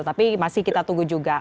tapi masih kita tunggu juga